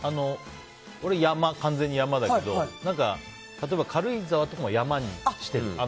俺、完全に山だけど例えば、軽井沢とかも山にしてる。